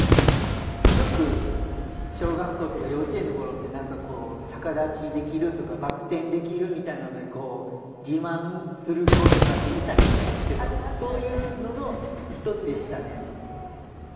よく小学校とか幼稚園のころって何かこう逆立ちできるとかバク転できるみたいなのでこう自慢する子とかっていたりしますけどそういうのの一つでしたね。